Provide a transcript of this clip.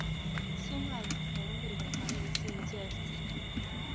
氢化铟锂的还原性介于硼氢化锂和氢化铝锂之间。